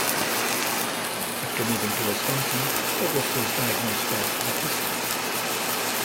After moving to Wisconsin, Douglas was diagnosed as autistic.